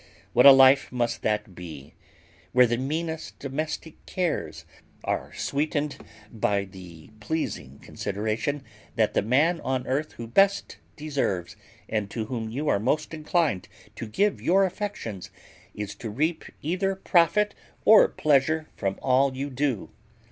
what a life must that be, where the meanest domestic cares are sweetened by the pleasing consideration that the man on earth who best deserves, and to whom you are most inclined to give your affections, is to reap either profit or pleasure from all you do!